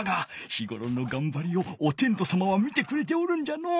日ごろのがんばりをおてんとさまは見てくれておるんじゃのう。